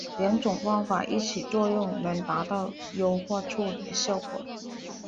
两种方法一起作用能达到优化处理的效果。